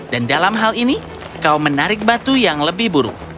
dan dalam hal ini kau menarik batu yang lebih buruk